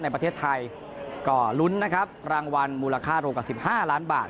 ในประเทศไทยก็ลุ้นนะครับรางวัลมูลค่ารวมกว่า๑๕ล้านบาท